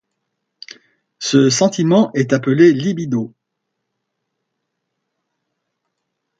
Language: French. Ce sentiment est appelé libido.